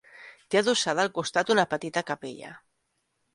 Té adossada al costat una petita capella.